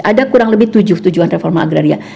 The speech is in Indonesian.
ada kurang lebih tujuh tujuan reforma agraria